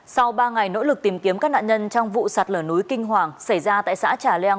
sau ba ngày nỗ lực tìm kiếm các nạn nhân trong vụ sạt lở núi kinh hoàng xảy ra tại xã trà leng